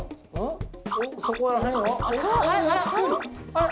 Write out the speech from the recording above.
あれ？